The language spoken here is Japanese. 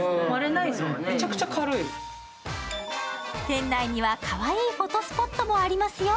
店内にはかわいいフォトスポットもありますよ。